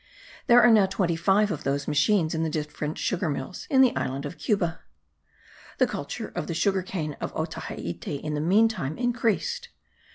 There are now twenty five of those machines in the different sugar mills of the island of Cuba. The culture of the sugar cane of Otaheite in the meantime increased.